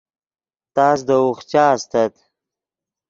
تس دے اوخچا استت